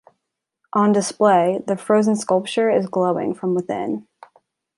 On display, the frozen sculpture is glowing from within.